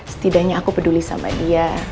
setidaknya aku peduli sama dia